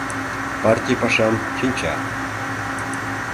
Партий пашам шинча...